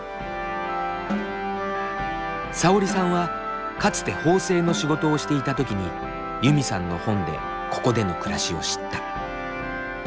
さおりさんはかつて縫製の仕事をしていたときにユミさんの本でここでの暮らしを知った。